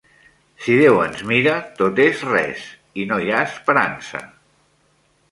Si Déu ens mira, tot és res i no hi ha esperança.